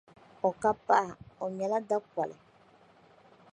O ka paɣa, O nyɛla dakɔli.